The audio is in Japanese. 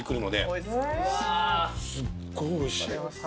すっごいおいしい。